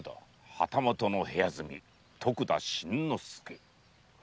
旗本の部屋住み徳田新之助。